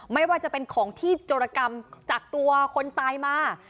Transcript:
ไม่ว่าจะเป็นของที่โจรกรรมจากตัวคนตายมา